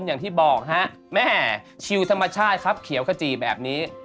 อย่างที่บอกฮะแม่ชิวธรรมชาติครับเขียวขจีแบบนี้